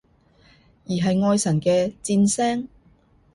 而係愛神嘅箭聲？